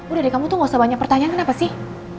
udah deh kamu tuh gak usah banyak pertanyaan kenapa sih